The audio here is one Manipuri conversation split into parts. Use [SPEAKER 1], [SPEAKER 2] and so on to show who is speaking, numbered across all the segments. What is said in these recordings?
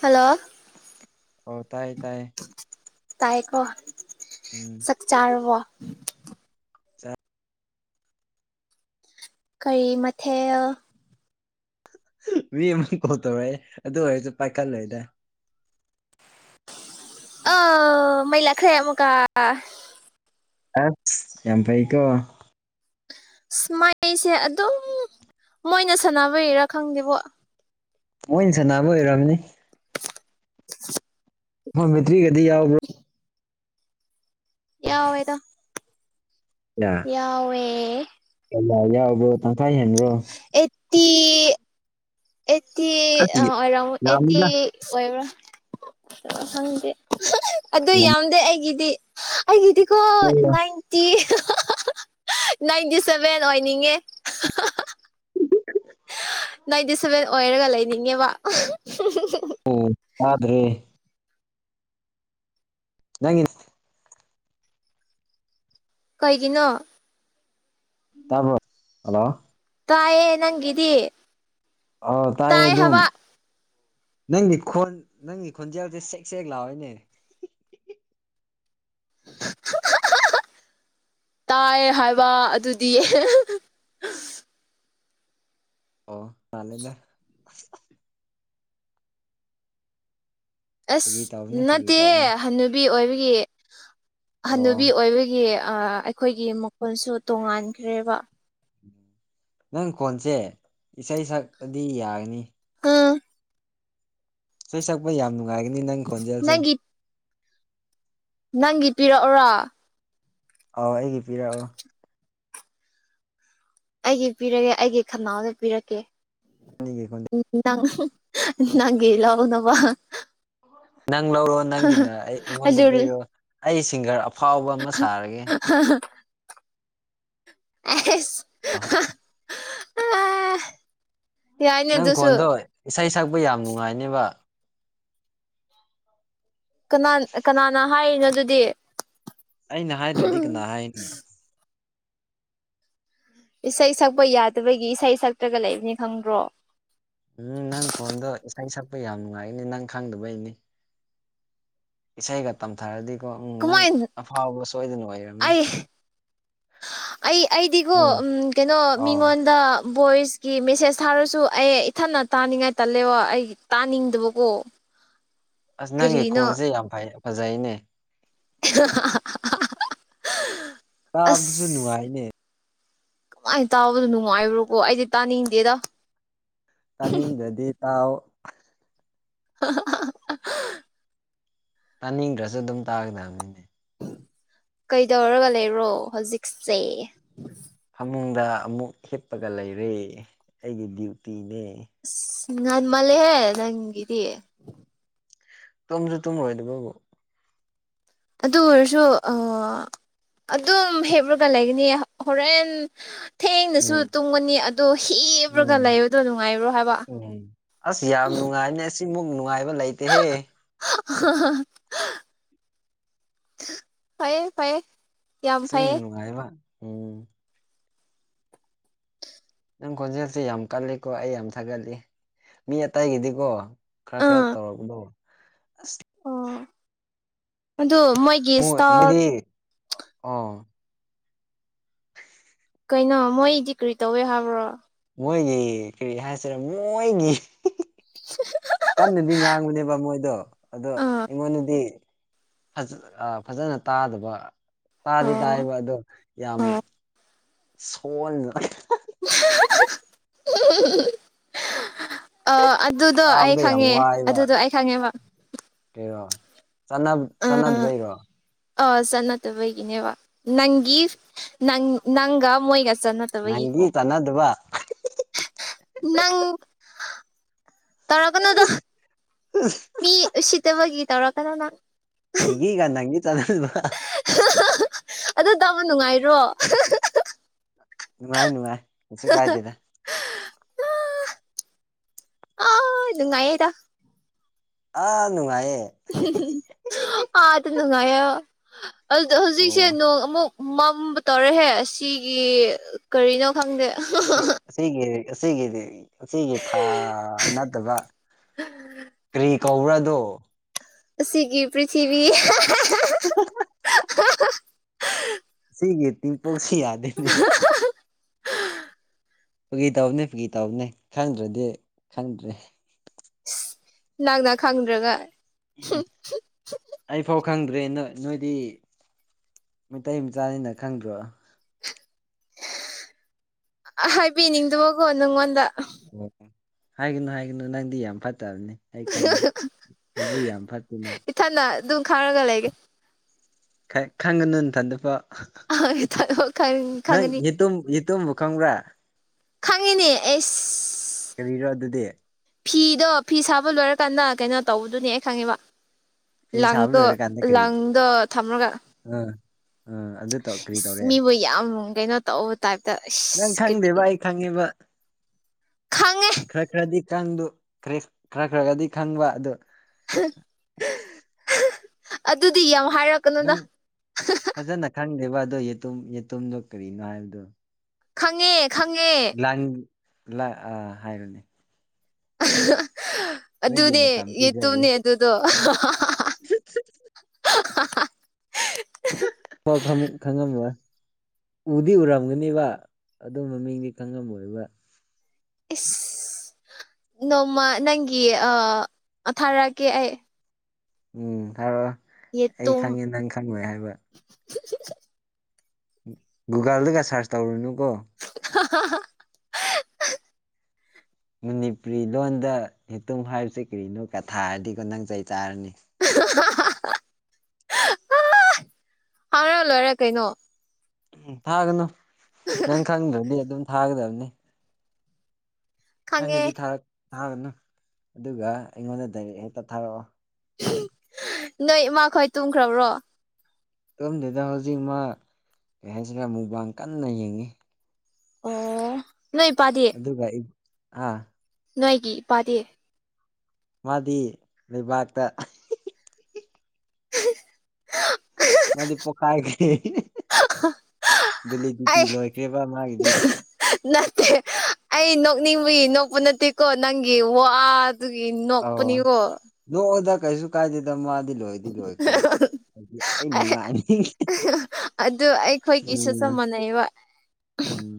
[SPEAKER 1] ꯍꯜꯂꯣ
[SPEAKER 2] ꯑꯣ ꯇꯥꯏꯌꯦ ꯇꯥꯏꯌꯦ
[SPEAKER 1] ꯇꯥꯏꯀꯣ
[SPEAKER 2] ꯎꯝ
[SPEAKER 1] ꯆꯥꯛ ꯆꯥꯔꯕꯣ
[SPEAKER 2] ꯆꯥ
[SPEAKER 1] ꯀꯩ ꯃꯊꯦꯜ
[SPEAKER 2] ꯃꯤ ꯑꯃ ꯀꯣꯜ ꯇꯧꯔꯛꯌꯦ ꯑꯗꯨ ꯑꯣꯏꯔꯖꯨ ꯄꯥꯏꯈꯠꯂꯣꯏꯗ
[SPEAKER 1] ꯑꯣ ꯃꯩ ꯂꯥꯛꯈ꯭ꯔꯦ ꯑꯃꯨꯛꯀ
[SPEAKER 2] ꯑꯠꯁ ꯌꯥꯝ ꯐꯩꯀꯣ
[SPEAKER 1] ꯁꯨꯃꯥꯏꯁꯦ ꯑꯗꯨꯝ ꯃꯣꯏꯅ ꯁꯥꯟꯅꯕꯩꯔꯥ ꯈꯪꯗꯦꯕꯣ
[SPEAKER 2] ꯃꯣꯏꯅ ꯁꯟꯅꯥꯕꯩ ꯑꯣꯏꯔꯝꯅꯤ
[SPEAKER 1] [unintelligible]
[SPEAKER 2] ꯐꯣꯟ ꯕꯦꯇ꯭ꯔꯤ ꯒꯗꯤ ꯌꯥꯎꯕ꯭ꯔꯣ
[SPEAKER 1] ꯌꯥꯎꯑꯦꯗ ꯌꯥꯎꯑꯦ
[SPEAKER 2] ꯀꯌꯥ ꯌꯥꯎꯕ꯭ꯔꯣ ꯇꯪꯈꯥꯏ ꯍꯦꯟꯕ꯭ꯔꯣ
[SPEAKER 1] ꯑꯦꯠꯇꯤ ꯑꯦꯠꯇꯤ ꯑ ꯑꯣꯏꯔꯝ ꯑꯦꯠꯇꯤ
[SPEAKER 2] ꯌꯥꯝꯃꯤꯗ
[SPEAKER 1] ꯑꯣꯏꯕ꯭ꯔꯥ ꯈꯪꯗꯦ ꯑꯗꯨ ꯌꯥꯝꯗꯦ ꯑꯩꯒꯤꯗꯤ ꯑꯩꯒꯤꯗꯤ ꯀꯣ ꯏꯟꯗꯥꯏꯟ ꯇꯤ ꯅꯥꯏꯟꯇꯤ ꯁꯚꯦꯟ ꯑꯣꯏꯅꯤꯡꯉꯦ
[SPEAKER 2] [unintelligible]
[SPEAKER 1] ꯅꯥꯏꯟꯇꯤ ꯁꯚꯦꯟ ꯑꯣꯏꯔꯒ ꯂꯩꯅꯤꯡꯉꯦꯕ
[SPEAKER 2] ꯑꯣ ꯇꯥꯗ꯭ꯔꯦ ꯅꯪꯒꯤ
[SPEAKER 1] ꯀꯩꯒꯤꯅꯣ
[SPEAKER 2] ꯇꯥꯕ꯭ꯔꯣ ꯍꯜꯂꯣ
[SPEAKER 1] ꯇꯥꯏꯌꯦ ꯅꯪꯒꯤꯗꯤ
[SPEAKER 2] ꯑꯣ ꯇꯥꯏꯌꯦ
[SPEAKER 1] ꯇꯥꯏ
[SPEAKER 2] ꯑꯗꯨꯝ
[SPEAKER 1] ꯍꯥꯏꯕ
[SPEAKER 2] ꯅꯪꯒꯤ ꯈꯣꯟ ꯅꯪꯒꯤ ꯈꯣꯟꯖꯦꯜꯖꯦ ꯁꯦꯛ ꯁꯦꯛ ꯂꯥꯎꯑꯦꯅꯦ
[SPEAKER 1] ꯇꯥꯏꯌꯦ ꯍꯥꯏꯕ ꯑꯗꯨꯗꯤ
[SPEAKER 2] ꯑꯣ ꯉꯥꯜꯂꯒ
[SPEAKER 1] ꯑꯁ
[SPEAKER 2] ꯐꯥꯒꯤ ꯇꯧꯕꯅꯤ ꯐꯥꯒꯤ
[SPEAKER 1] ꯅꯠꯇꯦ
[SPEAKER 2] ꯇꯧꯕꯅꯤ
[SPEAKER 1] ꯍꯟꯅꯨꯕꯤ ꯑꯣꯏꯕꯒꯤ
[SPEAKER 2] ꯑꯣ
[SPEAKER 1] ꯍꯅꯨꯕꯤ ꯑꯣꯏꯕꯒꯤ ꯑ ꯑꯩꯈꯣꯏꯒꯤ ꯃꯈꯣꯟꯁꯨ ꯇꯣꯡꯉꯥꯟꯈ꯭ꯔꯦꯕ
[SPEAKER 2] ꯅꯪ ꯈꯣꯟꯁꯦ ꯏꯁꯩ ꯁꯛꯄꯗꯤ ꯌꯥꯒꯅꯤ
[SPEAKER 1] ꯎꯝ
[SPEAKER 2] ꯁꯣꯏ ꯁꯛꯄ ꯌꯥꯝ ꯅꯨꯡꯉꯥꯏꯒꯅꯤ ꯅꯪ ꯈꯣꯟꯖꯦꯜꯁꯦ
[SPEAKER 1] ꯅꯪꯒꯤ ꯅꯪꯒꯤ ꯄꯤꯔꯛꯑꯣꯔꯣ
[SPEAKER 2] ꯑꯧ ꯑꯩꯒꯤ ꯄꯤꯔꯛꯑꯣ
[SPEAKER 1] ꯑꯩꯒꯤ ꯄꯤꯔꯒꯦ ꯑꯩꯒꯤ ꯈꯅꯥꯎꯗ ꯄꯤꯔꯛꯀꯦ
[SPEAKER 2] ꯅꯩꯒꯤ ꯈꯣꯟ
[SPEAKER 1] ꯎ ꯅꯪ ꯅꯪꯒꯤ ꯂꯧꯅꯕ
[SPEAKER 2] ꯅꯪ ꯂꯧꯔꯣ ꯅꯪꯒꯤꯅ ꯑꯩ ꯑꯩꯉꯣꯟꯗ
[SPEAKER 1] ꯑꯗꯨ
[SPEAKER 2] ꯄꯤꯔꯣ ꯑꯩ ꯁꯤꯡꯒꯔ ꯑꯐꯥꯎꯕ ꯑꯃ ꯁꯥꯔꯒꯦ
[SPEAKER 1] ꯍꯍ ꯑꯦꯁ ꯑ ꯍꯥ
[SPEAKER 2] ꯅꯪ ꯀꯣꯟꯗꯣ ꯏꯁꯩ ꯁꯛꯄ ꯌꯥꯝ ꯅꯨꯡꯉꯥꯏꯅꯤꯕ
[SPEAKER 1] ꯀꯅꯥꯟ ꯀꯅꯥꯅ ꯍꯥꯏꯔꯤꯅꯣ ꯑꯗꯨꯗꯤ
[SPEAKER 2] ꯑꯩꯅ ꯍꯥꯏꯗ꯭ꯔꯗꯤ ꯀꯅꯥ ꯍꯥꯏꯅꯤ
[SPEAKER 1] ꯏꯁꯩ ꯁꯛꯄ ꯌꯥꯗꯕꯒꯤ ꯏꯁꯩ ꯁꯛꯇ꯭ꯔꯒ ꯂꯩꯕꯅꯤ ꯈꯪꯕ꯭ꯔꯣ
[SPEAKER 2] ꯎꯝ ꯅꯪ ꯈꯣꯟꯗꯣ ꯏꯁꯩ ꯁꯛꯄ ꯌꯥꯝ ꯅꯨꯡꯉꯥꯏꯅꯤ ꯅꯪ ꯈꯪꯗꯕꯩꯅꯤ ꯏꯁꯩꯒ ꯇꯝꯊꯔꯗꯤꯀꯣ ꯎꯝ ꯅꯪ
[SPEAKER 1] ꯀꯃꯥꯏꯅ
[SPEAKER 2] ꯑꯐꯥꯎꯕ ꯁꯣꯏꯗꯅ ꯑꯣꯏꯔꯝꯅꯤ
[SPEAKER 1] ꯑꯩ ꯑꯩ ꯑꯩꯗꯤꯒꯣ ꯎꯝ ꯀꯩꯅꯣ
[SPEAKER 2] ꯑꯣ
[SPEAKER 1] ꯃꯤꯉꯣꯟꯗ ꯚꯣꯏꯁꯀꯤ ꯃꯦꯁꯦꯁ ꯊꯥꯔꯁꯨ ꯑꯦ ꯏꯊꯟꯅ ꯇꯥꯅꯤꯡꯉꯥꯏ ꯇꯜꯂꯦꯕ ꯑꯩ ꯇꯥꯅꯤꯡꯗꯕꯀꯣ [inaudible] [unintelligible]
[SPEAKER 2] ꯑꯁ ꯅꯪꯒꯤ
[SPEAKER 1] ꯀꯔꯤꯅꯣ
[SPEAKER 2] ꯀꯣꯟꯁꯦ ꯌꯥꯝ ꯐꯩ ꯐꯖꯩꯅꯦ
[SPEAKER 1] [unintelligible]
[SPEAKER 2] ꯇꯥꯕꯗꯨꯁꯨ ꯅꯨꯡꯉꯥꯏꯅꯦ
[SPEAKER 1] ꯃꯥꯏꯟ ꯇꯥꯕꯗꯣ ꯅꯨꯡꯉꯥꯏꯕ꯭ꯔꯣꯀꯣ ꯑꯩꯗꯤ ꯇꯥꯅꯤꯡꯗꯦꯗ
[SPEAKER 2] ꯇꯥꯅꯤꯡꯗꯗꯤ ꯇꯥꯎ
[SPEAKER 1] [unintelligible]
[SPEAKER 2] ꯇꯥꯅꯤꯡꯗ꯭ꯔꯁꯨ ꯑꯗꯨꯝ ꯇꯥꯒꯗꯕꯅꯤꯅꯦ
[SPEAKER 1] ꯀꯩꯗꯧꯔꯒ ꯂꯩꯔꯣ ꯍꯣꯖꯤꯛꯁꯦ
[SPEAKER 2] ꯐꯃꯨꯡꯗ ꯑꯃꯨꯛ ꯍꯤꯠꯄꯒ ꯂꯩꯔꯦ ꯑꯩꯒꯤ ꯗ꯭ꯌꯨꯇꯤꯅꯦ
[SPEAKER 1] ꯉꯟꯃꯜꯂꯦ ꯍꯦ ꯅꯪꯒꯤꯗꯤ
[SPEAKER 2] ꯇꯨꯝꯁꯨ ꯇꯨꯝꯔꯣꯏꯗꯕꯕꯨ
[SPEAKER 1] ꯑꯗꯨ ꯑꯣꯏꯔꯁꯨ ꯑ ꯑꯗꯨꯝ ꯍꯤꯞꯔ꯭ꯒ ꯂꯩꯒꯅꯤ ꯍꯣꯔꯦꯟ ꯊꯦꯡꯅꯁꯨ
[SPEAKER 2] ꯎꯝ
[SPEAKER 1] ꯇꯨꯝꯒꯅꯤ ꯑꯗꯣ ꯍꯤꯞꯔꯒ
[SPEAKER 2] ꯎꯝ
[SPEAKER 1] ꯂꯩꯕꯗꯣ ꯅꯨꯡꯉꯥꯏꯕ꯭ꯔꯣ ꯍꯥꯏꯕ
[SPEAKER 2] ꯑꯁ ꯌꯥꯝ ꯅꯨꯡꯉꯥꯏ ꯁꯤꯃꯨꯛ ꯅꯨꯡꯉꯥꯏꯕ ꯂꯩꯇꯦꯍꯦ
[SPEAKER 1] ꯐꯌꯦ ꯐꯌꯦ
[SPEAKER 2] ꯁꯤꯟ ꯅꯨꯡꯉꯥꯏꯕ ꯎꯝ ꯅꯪ ꯈꯣꯟꯖꯦꯜꯁꯤ ꯌꯥꯝ ꯀꯜꯂꯤꯀꯣ ꯑꯩ ꯌꯥꯝ ꯊꯥꯒꯠꯂꯤ ꯃꯤ ꯑꯇꯩꯒꯤꯗꯤꯀꯣ ꯈ꯭ꯔ ꯈ꯭ꯔ
[SPEAKER 1] ꯑꯥ
[SPEAKER 2] ꯇꯧꯔꯛꯄꯗꯣ
[SPEAKER 1] ꯑꯣ ꯑꯗꯨ ꯃꯣꯏ
[SPEAKER 2] [unintelligible] ꯑꯣ
[SPEAKER 1] ꯀꯩꯅꯣ ꯃꯣꯏꯗꯤ ꯀ꯭ꯔꯤ ꯇꯧꯋꯦ ꯍꯥꯏꯕ꯭ꯔꯣ
[SPEAKER 2] ꯃꯣꯏꯒꯤ ꯀ꯭ꯔꯤ ꯍꯥꯏꯁꯤꯔ ꯃꯣꯏꯒꯤ
[SPEAKER 1] [unintelligible]
[SPEAKER 2] ꯀꯟꯅꯗꯤ ꯉꯥꯡꯕꯅꯦꯕ ꯃꯣꯏꯗꯣ ꯑꯗꯣ
[SPEAKER 1] ꯑꯥ
[SPEAKER 2] ꯑꯩꯉꯣꯟꯗꯗꯤ ꯐꯖ ꯑꯥ ꯐꯖꯅ ꯇꯥꯗꯕ ꯇꯥꯗꯤ
[SPEAKER 1] ꯑꯣ
[SPEAKER 2] ꯇꯥꯏꯕ ꯑꯗꯣ ꯌꯥꯝ
[SPEAKER 1] ꯑꯣ
[SPEAKER 2] ꯁꯣꯟꯅ
[SPEAKER 1] [unintelligible] ꯑ ꯑꯗꯨꯗꯣ ꯑꯩ
[SPEAKER 2] ꯇꯥꯕꯗ ꯌꯥꯝ
[SPEAKER 1] ꯈꯪꯉꯦ
[SPEAKER 2] ꯋꯥꯏꯕ
[SPEAKER 1] ꯑꯗꯨꯗꯣ ꯑꯩ ꯈꯪꯉꯦꯕ
[SPEAKER 2] ꯀꯩꯔꯣ ꯆꯥꯟꯅꯕ ꯆꯥꯟꯅꯗꯕꯩꯔꯣ
[SPEAKER 1] ꯑ ꯆꯠꯅꯠꯇꯕꯒꯤꯅꯦꯕ ꯅꯪꯒꯤꯁ ꯅꯪ ꯅꯪꯒꯥ ꯃꯣꯏꯒ ꯆꯅꯠ ꯇꯕꯒꯤꯀꯣ
[SPEAKER 2] ꯅꯪꯒꯤ ꯆꯥꯟꯅꯗꯕ
[SPEAKER 1] ꯅꯪ ꯇꯧꯔꯛꯀꯅꯨꯗꯥ ꯃꯤ ꯎꯁꯤꯠꯇꯕꯒꯤ ꯇꯧꯔꯛꯀꯅꯣ ꯅꯪ
[SPEAKER 2] ꯑꯩꯒꯤꯒ ꯅꯪꯒꯤ ꯆꯠꯍꯟꯕ
[SPEAKER 1] ꯑꯗꯨ ꯇꯥꯕ ꯅꯨꯡꯉꯥꯏꯔꯣ
[SPEAKER 2] ꯅꯨꯡꯉꯥꯏꯌꯦ ꯅꯨꯡꯉꯥꯏ ꯀꯩꯁꯨ ꯀꯥꯏꯗꯦꯗ
[SPEAKER 1] ꯑ ꯅꯨꯡꯉꯥꯏꯌꯦꯗ
[SPEAKER 2] ꯑꯥ ꯅꯨꯡꯉꯥꯏꯌꯦ
[SPEAKER 1] ꯑꯥꯗ ꯅꯨꯡꯉꯥꯏꯌꯣ ꯑꯗꯨꯗ ꯍꯧꯖꯤꯛꯁꯦ
[SPEAKER 2] ꯑꯣ
[SPEAKER 1] ꯅꯣꯡ ꯑꯃꯨꯛ ꯃꯝꯕ ꯇꯧꯔꯦꯍꯦ ꯑꯁꯤꯒꯤ ꯀꯔꯤꯅꯣ ꯈꯪꯗꯦ
[SPEAKER 2] ꯁꯤ ꯑꯁꯤꯒꯤ꯭ꯔ ꯑꯁꯤꯒꯤꯗꯤ ꯑꯁꯤꯒꯤ ꯊꯥ ꯅꯠꯇꯕ ꯀ꯭ꯔꯤ ꯀꯧꯕ꯭ꯔ ꯑꯗꯣ
[SPEAKER 1] ꯑꯁꯤꯒꯤ ꯄ꯭ꯔꯤꯊꯤꯕꯤ
[SPEAKER 2] [unintelligible] ꯁꯤꯒꯤ ꯗꯤꯝꯄꯜꯁꯤ ꯌꯥꯗꯦꯅꯦ ꯐꯥꯒꯤ ꯇꯧꯅꯦ ꯐꯥꯒꯤ ꯇꯧꯕꯅꯦ ꯈꯪꯗ꯭ꯔꯗꯤ ꯈꯪꯗ꯭ꯔꯦ
[SPEAKER 1] ꯅꯪꯅ ꯈꯪꯗ꯭ꯔꯒ
[SPEAKER 2] ꯎꯝꯎꯝ ꯑꯩ ꯐꯥꯎ ꯈꯪꯗ꯭ꯔꯦ ꯅꯣꯏ ꯅꯣꯏꯗꯤ ꯃꯩꯇꯩ ꯃꯆꯥꯅꯤꯅ ꯈꯪꯗ꯭ꯔꯣ
[SPEAKER 1] ꯑꯥ ꯍꯥꯏꯕꯤꯅꯤꯡꯗꯕꯀꯣ ꯅꯪꯉꯣꯟꯗ
[SPEAKER 2] ꯍꯥꯏꯒꯅꯨ ꯍꯥꯏꯒꯅꯨ ꯅꯪꯗꯤ ꯌꯥꯝ ꯐꯠꯇꯕꯅꯤ ꯑꯩ ꯈꯪꯉꯤ ꯅꯕꯨꯛ ꯌꯥꯝ ꯐꯠꯇꯦ ꯅꯣꯏ
[SPEAKER 1] ꯊꯟꯅ ꯑꯗꯨꯝ ꯈꯔꯒ ꯂꯩꯒꯦ
[SPEAKER 2] ꯈ ꯈꯪꯉꯅꯨ ꯅꯊꯟꯗꯀꯣ ꯅꯪ
[SPEAKER 1] ꯈꯪꯒꯅꯤ
[SPEAKER 2] ꯌꯦꯇꯨꯝ ꯌꯦꯇꯨꯝꯕꯣ ꯈꯪꯕ꯭ꯔꯥ
[SPEAKER 1] ꯈꯪꯉꯤꯅꯦ ꯑꯦꯁ
[SPEAKER 2] ꯀꯔꯤꯔꯣ ꯑꯗꯨꯗꯤ
[SPEAKER 1] ꯐꯤꯗꯣ ꯐꯤ ꯁꯥꯕ ꯂꯣꯏꯔꯀꯥꯟꯗ ꯀꯩꯅꯣ ꯇꯧꯕꯗꯨꯅꯦ ꯑꯩ ꯈꯪꯉꯦꯕ
[SPEAKER 2] ꯐꯤ ꯁꯥꯕ
[SPEAKER 1] ꯂꯪꯇꯣ ꯂꯪꯗꯣ ꯊꯝꯔꯒ
[SPEAKER 2] ꯑ ꯑ ꯑꯗꯨ ꯇꯧ ꯀꯔꯤ
[SPEAKER 1] ꯏꯁ
[SPEAKER 2] ꯇꯧꯔꯦ
[SPEAKER 1] ꯃꯤꯕꯨ ꯌꯥꯝ ꯀꯩꯅꯣ ꯇꯧ ꯇꯥꯏꯞꯇ
[SPEAKER 2] ꯅꯪ
[SPEAKER 1] ꯑꯩꯁ ꯀꯔꯤ
[SPEAKER 2] ꯈꯪꯗꯦꯕ ꯑꯩ ꯈꯪꯉꯦꯕ
[SPEAKER 1] ꯈꯪꯉꯦ
[SPEAKER 2] ꯈꯔ ꯈꯔꯗꯤ ꯀꯪꯗꯨ ꯈꯔ ꯈꯔ ꯈꯔꯒꯗꯤ ꯈꯪꯕ ꯑꯗꯣ
[SPEAKER 1] ꯑꯗꯨꯗꯤ ꯌꯥꯝ ꯍꯥꯏꯔꯛ
[SPEAKER 2] ꯅꯪ ꯐꯖꯅ ꯈꯪꯗꯦꯕ ꯑꯗꯣ ꯌꯦꯇꯨꯝ ꯌꯦꯇꯨꯝꯗꯣ ꯀꯔꯤꯅꯣ ꯍꯥꯏꯕꯗꯣ
[SPEAKER 1] ꯈꯪꯉꯦ ꯈꯪꯉꯦ
[SPEAKER 2] ꯂꯥꯡ ꯂ ꯑ ꯍꯥꯏꯔꯣꯅꯦ ꯅꯪꯒꯤ
[SPEAKER 1] ꯑꯗꯨꯅꯦ
[SPEAKER 2] ꯃꯇꯝ ꯄꯤꯖꯔꯤ
[SPEAKER 1] ꯌꯦꯇꯨꯝꯅꯦ ꯑꯗꯨꯗꯣ
[SPEAKER 2] [unintelligible] ꯑꯣ ꯈꯪꯕꯨ ꯈꯪꯉꯝꯃꯣꯏ ꯎꯗꯤ ꯎꯔꯝꯒꯅꯦꯕ ꯑꯗꯨ ꯃꯃꯤꯡꯗꯤ ꯈꯪꯉꯝꯃꯣꯏꯕ
[SPEAKER 1] ꯏꯁ ꯅꯣꯡꯃ ꯅꯪꯒꯤ ꯑ ꯑ ꯊꯥꯔꯛꯀꯦ ꯑꯩ
[SPEAKER 2] ꯎꯝ ꯊꯥꯔꯛꯑꯣ ꯑꯩ
[SPEAKER 1] ꯌꯦꯇꯨꯝ
[SPEAKER 2] ꯈꯪꯉꯦ ꯅꯪ ꯈꯪꯉꯣꯏ ꯍꯥꯏꯕ ꯒꯨꯒꯜꯗꯒ ꯁꯥꯔꯁ ꯇꯧꯔꯨꯅꯨꯀꯣ
[SPEAKER 1] [unintelligible]
[SPEAKER 2] ꯃꯅꯤꯄꯨꯔꯤ ꯂꯣꯟꯗ ꯍꯦꯇꯨꯝ ꯍꯥꯏꯔꯤꯁꯦ ꯀꯔꯤꯅꯣ ꯀ ꯊꯥꯔꯗꯤꯀꯣ ꯅꯪ ꯆꯩ ꯆꯥꯔꯅꯤ
[SPEAKER 1] ꯊꯥꯔ ꯂꯣꯏꯔꯦ ꯀꯩꯅꯣ
[SPEAKER 2] ꯎꯝ ꯊꯥꯒꯅꯣ ꯅꯪ ꯈꯪꯗ꯭ꯔꯗꯤ ꯑꯗꯨꯝ ꯊꯥꯒꯗꯕꯅꯤ
[SPEAKER 1] ꯈꯪꯉꯦ
[SPEAKER 2] ꯈꯪꯉꯗꯤ ꯊꯥꯔꯛ ꯊꯥꯒꯅꯨ ꯑꯗꯨꯒ ꯑꯩꯉꯣꯟꯗ ꯗꯥꯏꯔꯦꯛ ꯍꯦꯛꯇ ꯊꯥꯔꯛꯑꯣ
[SPEAKER 1] ꯅꯣꯏ ꯏꯃꯥ ꯈꯣꯏ ꯇꯨꯝꯈ꯭ꯔꯕ꯭ꯔꯣ
[SPEAKER 2] ꯇꯨꯝꯗ꯭ꯔꯤꯗ ꯍꯧꯖꯤꯛ ꯃꯥ ꯀꯩ ꯍꯥꯏꯁꯤꯔ ꯃꯨꯛꯕꯥꯡ ꯀꯟꯅ ꯌꯦꯡꯉꯤ
[SPEAKER 1] ꯑꯣ ꯅꯣꯏ ꯏꯄꯥꯗꯤ
[SPEAKER 2] ꯗꯨꯒ ꯑꯩ ꯍꯥ
[SPEAKER 1] ꯅꯣꯏꯒꯤ ꯏꯄꯥꯗꯤ
[SPEAKER 2] ꯃꯥꯗꯤ ꯂꯩꯕꯥꯛꯇ ꯃꯥꯗꯤ ꯄꯣꯛꯈꯥꯏꯈ꯭ꯔꯦ ꯚꯦꯂꯤꯗꯤꯇꯤ
[SPEAKER 1] ꯑꯩ
[SPEAKER 2] ꯂꯣꯏꯈ꯭ꯔꯦꯕ ꯃꯥꯒꯤꯗꯤ
[SPEAKER 1] ꯅꯠꯇꯦ ꯑꯩ ꯅꯣꯛꯅꯤꯡꯕꯒꯤ ꯅꯣꯛꯄ ꯅꯠꯇꯦꯀꯣ ꯅꯪꯒꯤ ꯋꯥ ꯗꯨꯒꯤ
[SPEAKER 2] ꯑꯧ
[SPEAKER 1] ꯅꯣꯛꯄꯅꯤꯀꯣ
[SPEAKER 2] ꯅꯣꯛꯑꯣꯗ ꯀꯩꯖꯨ ꯀꯥꯏꯗꯦꯗ ꯃꯥꯗꯤ ꯂꯣꯏꯗꯤ ꯂꯣꯏꯈ꯭ꯔꯦ ꯑꯩꯗꯤ ꯑꯩ ꯅꯨꯡꯉꯥꯏꯔꯤ
[SPEAKER 1] ꯑꯗꯨ ꯑꯩꯈꯣꯏꯒꯤꯁꯨ ꯆꯞ ꯃꯥꯟ ‌ꯥꯅꯩꯕ
[SPEAKER 2] ꯎꯝ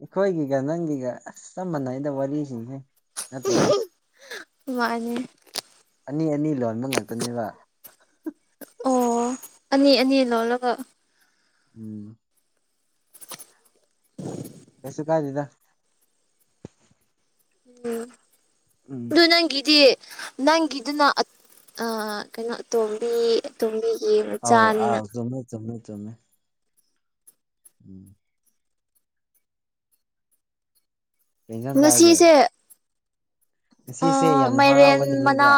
[SPEAKER 2] ꯑꯩꯈꯣꯏꯒꯤꯒ ꯅꯪꯒꯤꯒ ꯑꯁ ꯆꯞ ꯃꯥꯟꯅꯩꯗ ꯋꯥꯔꯤꯁꯤꯡꯁꯦ ꯅꯠꯇ꯭ꯔꯣ
[SPEAKER 1] ꯃꯥꯅꯤ
[SPEAKER 2] ꯑꯅꯤ ꯑꯅꯤ ꯂꯣꯟꯕ ꯉꯥꯛꯇꯅꯦꯕ
[SPEAKER 1] ꯑꯣ ꯑꯅꯤ ꯑꯅꯤ ꯂꯣꯜꯂꯒ
[SPEAKER 2] ꯎꯝ ꯀꯩꯁꯨ ꯀꯥꯏꯗꯦꯗ
[SPEAKER 1] ꯎꯝ
[SPEAKER 2] ꯎꯝ
[SPEAKER 1] ꯗꯨ ꯅꯪꯒꯤꯗꯤ ꯅꯪꯒꯤꯗꯨꯅ ꯑꯠ ꯑ ꯀꯩꯅꯣ ꯑꯇꯣꯝꯕꯤ ꯑꯇꯣꯝꯕꯤꯒꯤ
[SPEAKER 2] ꯑꯧ
[SPEAKER 1] ꯃꯆꯥꯅꯤꯅ
[SPEAKER 2] ꯑꯥꯎ ꯆꯨꯝꯃꯦ ꯆꯨꯝꯃꯦ ꯆꯨꯝꯃꯦ ꯎꯝ ꯀꯩ ꯏꯟꯖꯥꯡ ꯆꯥꯔꯒꯦ
[SPEAKER 1] ꯑ
[SPEAKER 2] ꯉꯁꯤꯁꯦ ꯌꯥꯝ
[SPEAKER 1] ꯃꯥꯏꯔꯦꯟ
[SPEAKER 2] ꯍꯔꯥꯎꯕ
[SPEAKER 1] ꯃꯅꯥ
[SPEAKER 2] ꯅꯨꯃꯤꯠꯔꯥ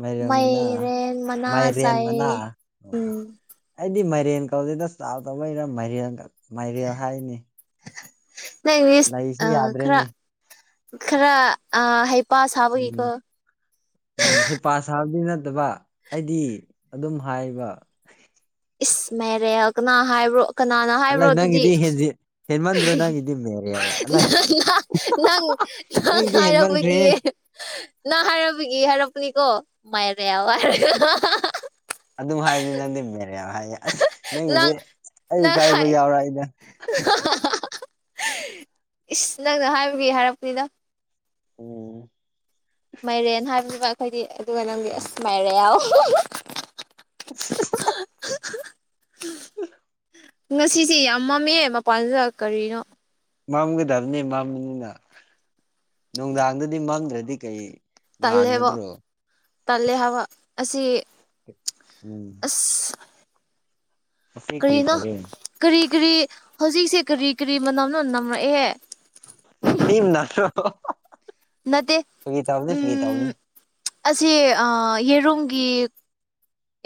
[SPEAKER 2] ꯃꯥꯏꯔꯦꯟ ꯃꯅꯥ
[SPEAKER 1] ꯃꯥꯏꯔꯦꯟ ꯃꯅꯥ
[SPEAKER 2] ꯃꯥꯏꯔꯦꯟ ꯃꯅꯥ
[SPEAKER 1] ꯆꯥꯏꯌꯦ
[SPEAKER 2] ꯑꯣ
[SPEAKER 1] ꯎꯝ
[SPEAKER 2] ꯑꯩꯗꯤ ꯃꯥꯏꯔꯦꯟ ꯀꯧꯗꯦꯗ ꯆꯥꯎꯗꯕꯩꯩꯔ ꯃꯥꯏꯔꯦꯜꯒ ꯃꯥꯏꯔꯦꯜ ꯍꯥꯏꯅꯤ
[SPEAKER 1] ꯅꯪꯪ ꯏꯪꯂꯤꯁ
[SPEAKER 2] ꯂꯩꯁꯤ
[SPEAKER 1] ꯑ ꯈꯔ
[SPEAKER 2] ꯌꯥꯗ꯭ꯔꯦꯅꯦ
[SPEAKER 1] ꯈꯔ ꯑ ꯍꯦꯞ
[SPEAKER 2] ꯎꯝ ꯎꯝ ꯍꯦꯞ ꯄꯥ ꯁꯥꯕꯗꯤ ꯅꯠꯇꯕ ꯑꯩꯗꯤ ꯑꯗꯨꯝ ꯍꯥꯏꯕ
[SPEAKER 1] ꯏꯁ ꯃꯦꯔꯦꯜ ꯀꯅꯥ ꯍꯥꯏꯕ꯭ꯔꯣ ꯀꯅꯥꯅ
[SPEAKER 2] ꯑꯂ
[SPEAKER 1] ꯍꯥꯏꯕ꯭ꯔꯣ ꯑꯗꯨꯗꯤ
[SPEAKER 2] ꯅꯪꯒꯤꯗꯤ ꯍꯦꯟꯖꯤ ꯍꯦꯟꯃꯟꯗ꯭ꯔꯣ ꯅꯪꯒꯤꯗꯤ ꯃꯦꯔꯦ ꯌꯥꯎꯋꯦ ꯑꯂ
[SPEAKER 1] ꯅꯪꯅ ꯅꯪ ꯅꯪ
[SPEAKER 2] ꯅꯪꯒꯤꯗꯤ ꯍꯦꯟꯃꯟꯈ꯭ꯔꯦ
[SPEAKER 1] ꯍꯥꯏꯔꯛꯄꯒꯤ ꯅꯪ ꯍꯥꯏꯔꯛꯄꯒꯤ ꯍꯥꯏꯔꯄꯅꯤꯀꯣ ꯃꯥꯏꯔꯦꯜ ꯍꯥꯏꯔꯒ
[SPEAKER 2] ꯑꯗꯨꯝ ꯍꯥꯏꯕꯅꯤ ꯅꯪꯗꯤ ꯃꯦꯔꯦꯜ ꯍꯥꯏꯌꯦ ꯑꯁ ꯅꯪꯒꯤꯗꯤ
[SPEAKER 1] ꯅꯪ
[SPEAKER 2] ꯑꯩ
[SPEAKER 1] ꯅꯪ
[SPEAKER 2] ꯀꯥꯏꯕ
[SPEAKER 1] ꯍꯥꯏ
[SPEAKER 2] ꯌꯥꯎꯔꯛ ꯑꯦꯗ
[SPEAKER 1] ꯏꯁ ꯅꯪꯅ ꯍꯥꯏꯕꯒꯤ ꯍꯥꯏꯔꯛꯄꯅꯤꯗ
[SPEAKER 2] ꯎꯝ
[SPEAKER 1] ꯃꯥꯏꯔꯦꯟ ꯍꯥꯏꯕꯅꯦꯕ ꯑꯩꯈꯣꯏꯗꯤ ꯑꯗꯨꯒ ꯅꯪꯒꯤ ꯑꯁ ꯃꯥꯏꯔꯦꯜ ꯉꯁꯤꯁꯦ ꯌꯥꯝ ꯃꯝꯃꯦ ꯃꯄꯥꯟꯁꯤꯗ ꯀꯔꯤꯅꯣ
[SPEAKER 2] ꯃꯝꯒꯗꯕꯅꯦ ꯃꯝꯕꯅꯤꯅ ꯅꯨꯡꯗꯥꯡꯗꯗꯤ ꯃꯝꯗ꯭ꯔꯗꯤ ꯀꯩ
[SPEAKER 1] ꯇꯜꯂꯦꯕ
[SPEAKER 2] ꯉꯥꯟꯒꯗ꯭ꯔꯣ
[SPEAKER 1] ꯇꯜꯂꯦ ꯍꯥꯕ ꯑꯁꯤ
[SPEAKER 2] ꯎꯝ
[SPEAKER 1] ꯏꯁ
[SPEAKER 2] ꯉꯁꯤ ꯀꯔꯤ
[SPEAKER 1] ꯀꯔꯤꯅꯣ
[SPEAKER 2] ꯇꯧꯒꯦ
[SPEAKER 1] ꯀꯔꯤ ꯀꯔꯤ ꯍꯧꯖꯤꯛꯁꯦ ꯀꯔꯤ ꯀꯔꯤ ꯃꯅꯝꯅꯣ ꯅꯝꯃꯛꯑꯦ
[SPEAKER 2] ꯊꯤ ꯃꯅꯝꯔꯣ
[SPEAKER 1] ꯅꯠꯇꯦ
[SPEAKER 2] ꯐꯒꯤꯇꯧꯕꯅꯦ ꯐꯒꯤꯇꯧꯕꯅꯦ
[SPEAKER 1] ꯎꯝ ꯑꯁꯤ ꯑꯥ ꯌꯦꯔꯨꯝꯒꯤ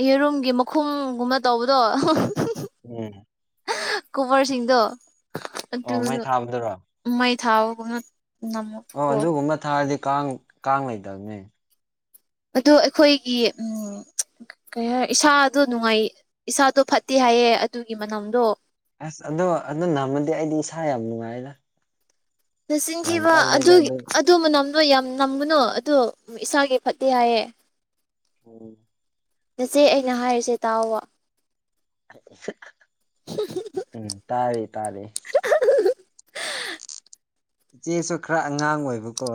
[SPEAKER 1] ꯌꯦꯔꯨꯝꯒꯤ ꯃꯈꯨꯝꯒꯨꯝꯕ ꯇꯧꯕꯗꯣ
[SPEAKER 2] ꯎꯝ
[SPEAKER 1] ꯀꯣꯕꯔꯁꯤꯡꯗꯣ
[SPEAKER 2] ꯑꯣ ꯃꯩ
[SPEAKER 1] ꯑꯗꯨꯗꯣ
[SPEAKER 2] ꯊꯥꯕꯗꯨꯔꯣ
[SPEAKER 1] ꯃꯩ ꯊꯥꯕꯒꯨꯝꯕ
[SPEAKER 2] ꯑꯣ ꯑꯗꯨꯒꯨꯝꯕ ꯊꯥꯔꯗꯤ ꯀꯥꯡ ꯀꯥꯡ ꯂꯩꯇꯕꯅꯦ
[SPEAKER 1] ꯑꯗꯣ ꯑꯩꯈꯣꯏꯒꯤ ꯎꯝ ꯀꯩ ꯍꯥꯏ ꯏꯁꯥꯗꯣ ꯅꯨꯡꯉꯥꯏ ꯏꯁꯥꯗꯣ ꯐꯠꯇꯦ ꯍꯥꯏꯌꯦ ꯑꯗꯨꯒꯤ ꯃꯅꯝꯗꯣ
[SPEAKER 2] ꯑꯁ ꯑꯗꯣ ꯑꯗꯨ ꯅꯝꯃꯗꯤ ꯑꯩꯗꯤ ꯏꯁꯥ ꯌꯥꯝ ꯅꯨꯡꯉꯥꯏꯗ ꯌꯥꯝ
[SPEAKER 1] ꯅꯆꯤꯟꯊꯤꯕ
[SPEAKER 2] ꯀꯜꯂꯦꯗ
[SPEAKER 1] ꯑꯗꯨꯒꯤ ꯑꯠ ꯑꯗꯨ ꯃꯅꯝꯗꯣ ꯌꯥꯝ ꯅꯝꯒꯅꯨ ꯑꯗꯨ ꯏꯁꯥꯒꯤ ꯐꯠꯇꯦ ꯍꯥꯏꯌꯦ
[SPEAKER 2] ꯎꯝ
[SPEAKER 1] ꯅꯥꯆꯦ ꯑꯩꯅ ꯍꯥꯏꯔꯤꯁꯦ ꯇꯥꯎꯑꯣ
[SPEAKER 2] ꯎꯝ ꯇꯥꯔꯦ ꯇꯥꯔꯦ ꯏꯆꯦꯁꯨ ꯈꯔ ꯑꯉꯥꯡ ꯑꯣꯏꯕꯀꯣ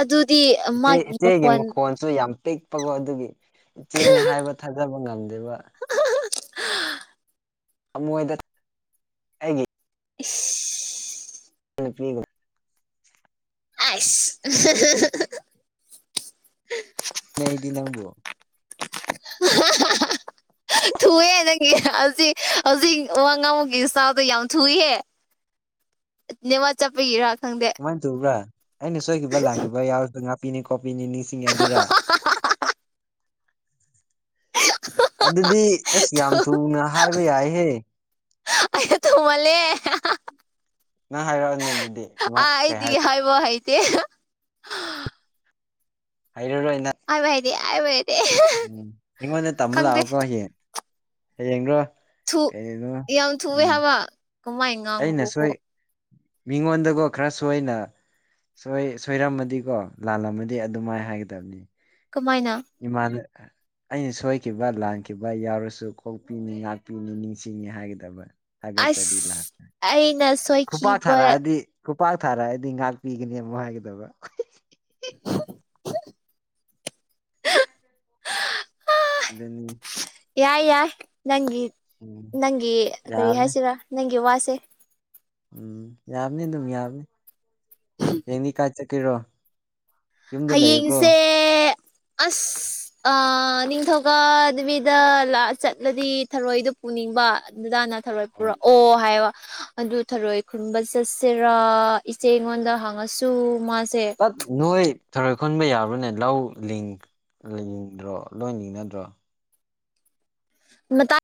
[SPEAKER 1] ꯑꯗꯨꯗꯤ ꯃꯥꯒꯤ ꯃꯈꯣꯟ
[SPEAKER 2] ꯁꯨ ꯌꯥꯝ ꯄꯤꯛꯄꯀꯣ ꯑꯗꯨꯒꯤ ꯏꯆꯦꯅꯦ ꯍꯥꯏꯕ ꯊꯥꯖꯕ ꯉꯝꯗꯦꯕ ꯊꯃꯣꯏꯗ ꯑꯩꯒꯤ
[SPEAKER 1] ꯏꯁ
[SPEAKER 2] [unintelligible] ꯄꯤ [unintelligible]
[SPEAKER 1] ꯑꯥꯏꯁ
[SPEAKER 2] ꯅꯩꯗꯤ ꯅꯪꯕꯨ
[SPEAKER 1] [unintelligible] ꯅꯪꯒꯤ ꯍꯧꯖꯤꯛ ꯍꯧꯖꯤꯛ ꯋꯥ ꯉꯥꯡꯕꯒꯤ ꯏꯁꯇꯥꯏꯜꯗꯣ ꯌꯥꯝ ꯊꯨꯏꯍꯦ ꯅꯦꯠꯋꯥꯛ ꯆꯞꯄꯒꯤꯔ ꯈꯪꯗꯦ
[SPEAKER 2] ꯀꯃꯥꯏꯟ ꯊꯨꯕ꯭ꯔꯥ ꯑꯩꯅ ꯁꯣꯏꯈꯤꯕ ꯂꯥꯟꯈꯤꯕ ꯌꯥꯎꯔꯁꯨ ꯉꯥꯄꯤꯅꯤꯀꯣ ꯀꯣꯄꯤꯅꯤ ꯅꯤꯡꯁꯤꯡꯉꯤ ꯑꯗꯨꯔ ꯑꯗꯨꯗꯤ ꯑꯁ ꯌꯥꯝ ꯊꯨꯅ ꯍꯥꯏꯕ ꯌꯥꯏꯍꯦ
[SPEAKER 1] ꯑꯌꯥ ꯊꯨꯃꯜꯂꯦ
[SPEAKER 2] ꯅꯪ ꯍꯥꯏꯔꯛꯑꯣꯅꯦ ꯑꯗꯨꯗꯤ ꯀꯃꯥꯏ
[SPEAKER 1] ꯑꯥ
[SPEAKER 2] ꯀꯩ ꯍꯥꯏ
[SPEAKER 1] ꯑꯩꯗꯤ ꯍꯥꯏꯕ ꯍꯩꯇꯦ
[SPEAKER 2] ꯍꯩꯔꯔꯣꯏ ꯅꯪ
[SPEAKER 1] ꯍꯥꯏꯕ ꯍꯥꯏꯗꯤ ꯍꯥꯏꯕ ꯍꯩ
[SPEAKER 2] ꯎꯝ ꯑꯩꯉꯣꯟꯗ ꯇꯝꯕ ꯂꯥꯛꯑꯣꯀꯣ ꯍꯌꯦꯡ ꯍꯌꯦꯡꯔꯣ
[SPEAKER 1] ꯊꯨ
[SPEAKER 2] ꯀꯩꯅꯣ
[SPEAKER 1] ꯌꯥꯝ ꯊꯨꯋꯦ
[SPEAKER 2] ꯎꯝ
[SPEAKER 1] ꯍꯥꯏꯕ ꯀꯃꯥꯏꯅ
[SPEAKER 2] ꯑꯩꯅ
[SPEAKER 1] ꯉꯥꯡꯕ꯭ꯔꯣꯀꯣ
[SPEAKER 2] ꯁꯣꯏ ꯃꯤꯉꯣꯟꯗꯒꯣ ꯈꯔ ꯁꯣꯏꯅ ꯁꯣꯏ ꯁꯣꯏꯔꯝꯃꯗꯤꯀꯣ ꯂꯥꯜꯂꯝꯃꯗꯤ ꯑꯗꯨꯃꯥꯏ ꯍꯥꯏꯒꯗꯕꯅꯦ
[SPEAKER 1] ꯀꯃꯥꯏꯅ
[SPEAKER 2] ꯏꯃꯥꯟ ꯑꯩꯅ ꯁꯣꯏꯈꯤꯕ ꯂꯥꯟꯈꯤꯕ ꯌꯥꯎꯔꯁꯨ ꯀꯣꯛꯄꯤꯅꯤ ꯉꯥꯛꯄꯤꯅꯤ ꯅꯤꯡꯁꯤꯡꯅꯤ ꯍꯥꯏꯒꯗꯕ꯫ ꯊꯒꯠꯆꯔꯤ
[SPEAKER 1] ꯑꯁ
[SPEAKER 2] ꯂꯥꯁꯇ
[SPEAKER 1] ꯑꯩꯅ
[SPEAKER 2] ꯈꯨꯄꯥ
[SPEAKER 1] ꯁꯣꯏꯈꯤꯕ
[SPEAKER 2] ꯊꯔꯛ ꯑꯗꯤ ꯈꯨꯄꯥꯛ ꯊꯥꯔꯛꯑꯗꯤ ꯉꯥꯛꯄꯤꯒꯅꯤ ꯑꯃꯨꯛ ꯍꯥꯏꯒꯗꯕ꯫ ꯑꯗꯨꯅꯤ
[SPEAKER 1] ꯌꯥꯏ ꯌꯥꯏ ꯅꯪꯒꯤ
[SPEAKER 2] ꯎꯝ
[SPEAKER 1] ꯅꯪꯒꯤ ꯀꯔꯤ
[SPEAKER 2] ꯌꯥꯕꯅꯤ
[SPEAKER 1] ꯍꯥꯏꯁꯤꯔꯥ ꯅꯪꯒꯤ ꯋꯥꯁꯦ꯫
[SPEAKER 2] ꯎꯝꯅꯤ ꯗꯨꯝ ꯌꯥꯝꯅꯤ ꯔꯦꯡꯗꯤ ꯀꯥꯏ ꯆꯠꯀꯦꯔꯣ ꯌꯨꯝꯗ ꯂꯩꯌꯨꯀꯣ
[SPEAKER 1] ꯍꯌꯦꯡꯁꯦ ꯑꯁ ꯑ ꯅꯤꯡꯊꯧꯀ ꯗꯕꯤꯗ ꯂꯥꯛꯆꯠꯂꯗꯤ ꯊꯔꯣꯏꯗꯨ ꯄꯨꯅꯤꯡꯕ ꯑꯠꯗꯨꯗ ꯊꯔꯣꯏ ꯄꯨꯔꯛ ꯑꯣ ꯍꯥꯏꯕ ꯑꯗꯨ ꯊꯔꯣꯏ ꯈꯨꯟꯕ ꯆꯠꯁꯦꯔꯥ ꯏꯆꯦ ꯉꯣꯟꯗ ꯍꯥꯡꯉꯁꯨ ꯃꯥꯁꯦ
[SPEAKER 2] ꯅꯣꯏ ꯊꯔꯣꯏ ꯈꯨꯟꯕ ꯌꯥꯕ꯭ꯔꯅꯦ ꯂꯧ ꯂꯤꯡ ꯂꯤꯡꯗ꯭ꯔꯣ ꯂꯣꯏ ꯂꯤꯡꯅꯗ꯭ꯔꯣ꯫
[SPEAKER 1] [unintelligible]